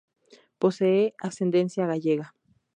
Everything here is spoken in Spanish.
Posee ascendencia gallega.